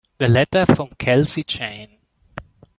The letter from Kelsey Jane.